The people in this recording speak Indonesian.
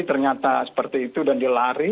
ternyata seperti itu dan dia lari